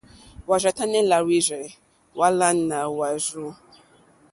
Hwá rzà tánɛ̀ làhwírzɛ́ hwáàlánà hwáwú.